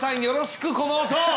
よろしくこの音。